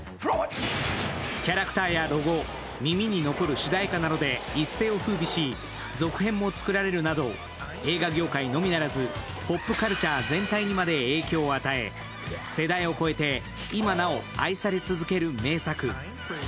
キャラクターやロゴ、耳に残る主題歌などで一世をふうびし、続編も作られるなど映画業界のみならずポップカルチャー全体にまで影響を与え世代を超えて今なお愛され続ける名作。